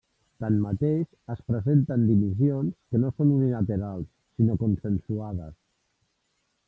Tanmateix, es presenten dimissions que no són unilaterals sinó consensuades.